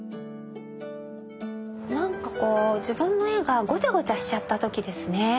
なんかこう自分の絵がごちゃごちゃしちゃった時ですね。